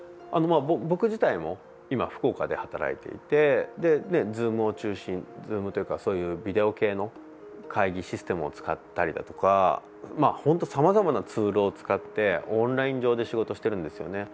僕自体も今、福岡で働いていてＺｏｏｍを中心Ｚｏｏｍというかそういうビデオ系の会議システムを使ったりだとか本当、さまざまなツールを使ってオンライン上で仕事してるんですよね。